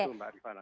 itu mbak iban